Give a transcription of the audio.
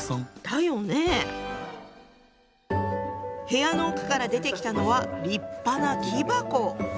部屋の奥から出てきたのは立派な木箱。